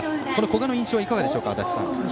古賀の印象はいかがでしょうか。